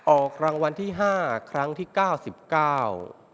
ออกรางวัลที่ห้าครั้งที่เก้าสิบเก้า